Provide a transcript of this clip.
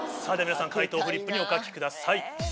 さぁでは皆さん解答をフリップにお書きください。